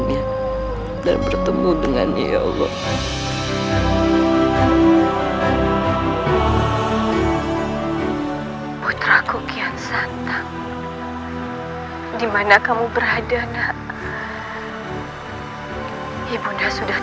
mohon pertemukanlah hamba dengan ibu unda ya allah